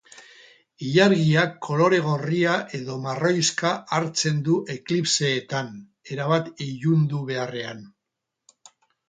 Ilargiak kolore gorria edo marroixka hartzen du eklipseetan, erabat ilundu beharrean.